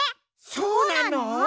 そうなの？